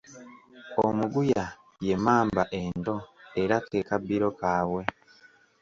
Omuguya y’emmamba ento era ke kabbiro kaabwe.